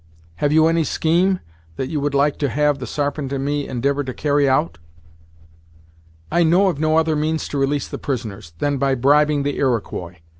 Have you any scheme, that you would like to have the Sarpent and me indivour to carry out?" "I know of no other means to release the prisoners, than by bribing the Iroquois.